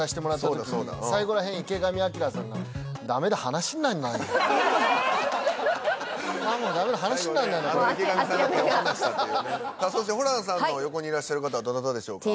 あの池上さんがもう諦めがそしてホランさんの横にいらっしゃる方はどなたでしょうか？